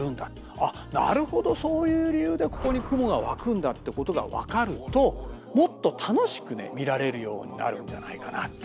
あっなるほどそういう理由でここに雲が湧くんだってことが分かるともっと楽しく見られるようになるんじゃないかな。